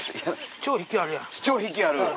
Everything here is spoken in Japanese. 超引きある？